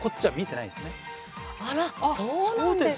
あらそうなんですか。